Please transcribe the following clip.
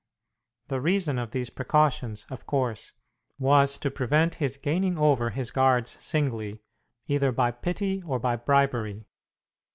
The reason of these precautions, of course, was to prevent his gaining over his guards singly, either by pity or bribery.